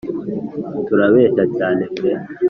Turabeshya cyane pe